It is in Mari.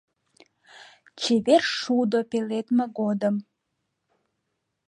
Чевер шудо пеледме годым